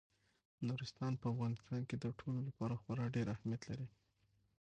نورستان په افغانستان کې د ټولو لپاره خورا ډېر اهمیت لري.